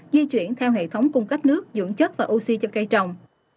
di chuyển theo hệ thống cung cấp nước dưỡng chất và oxy cho cây trồng